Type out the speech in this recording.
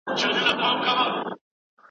سياست پوهنه د بشري پوهې يوه ارزښتناکه برخه ده.